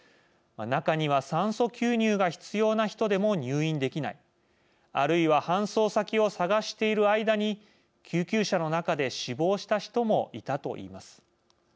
中には、酸素吸入が必要な人でも入院できないあるいは搬送先を探している間に救急車の中で死亡した人もいたといいます。